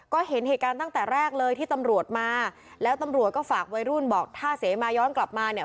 ก็เห็นเหตุการณ์ตั้งแต่แรกเลยที่ตำรวจมาแล้วตำรวจก็ฝากวัยรุ่นบอกถ้าเสมาย้อนกลับมาเนี่ย